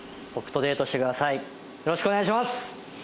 よろしくお願いします！